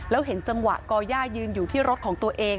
แล้วเห็นจังหวะก่อย่ายืนอยู่ที่รถของตัวเอง